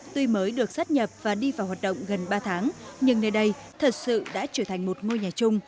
tuy mới được sát nhập và đi vào hoạt động gần ba tháng nhưng nơi đây thật sự đã trở thành một ngôi nhà chung